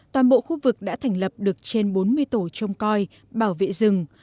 toàn bộ khu vực đã thành lập được trên bốn mươi tổ trông coi bảo vệ rừng